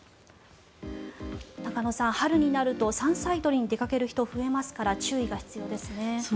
中野さん、春になると山菜採りに出かける人が増えますから注意が必要ですね。